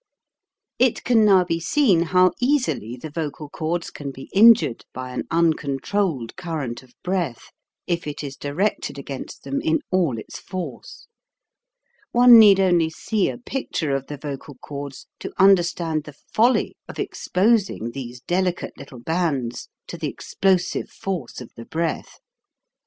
It can now be seen how easily the vocal cords can be injured by an uncontrolled cur rent of breath, if it is directed against them in all its force. One need only see a picture of the vocal cords to understand the folly of exposing these delicate little bands to the explosive force of the breath.